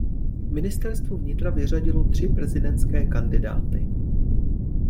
Ministerstvo vnitra vyřadilo tři prezidentské kandidáty.